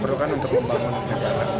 diperlukan untuk membangun negara